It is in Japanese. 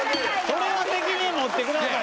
それは責任持ってください。